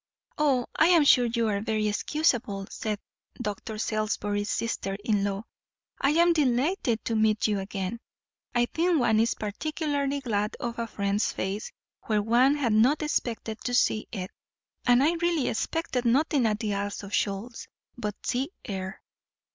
"O, I am sure you are very excusable," said Dr. Salisbury's sister in law. "I am delighted to meet you again. I think one is particularly glad of a friend's face where one had not expected to see it; and I really expected nothing at the Isles of Shoals but sea air."